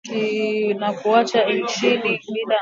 na kuiacha nchi hiyo chini ya mapato ya chini